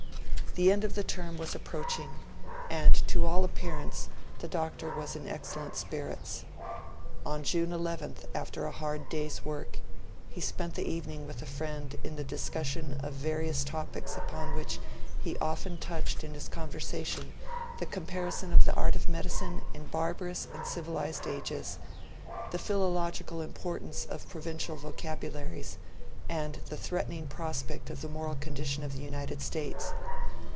The end of the term was approaching, and to all appearance the Doctor was in excellent spirits. On June 11th, after a hard day's work, he spent the evening with a friend in the discussion of various topics upon which he often touched in his conversation the comparison of the art of medicine in barbarous and civilised ages, the philological importance of provincial vocabularies, and the threatening prospect of the moral condition of the United States.